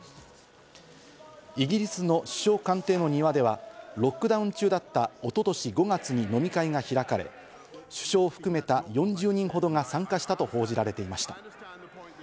イギリスの首相官邸の庭ではロックダウン中だった一昨年５月に飲み会が開かれ、首相を含めた４０人ほどが参加したと報じられていました。